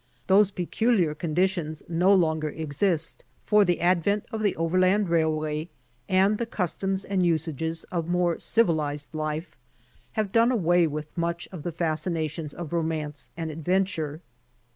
Those peculiar conditions no longer exist, for the advent of the overland railway and the custioms and usages of more civilized life have done away with much of the fascinations of romance and adventure.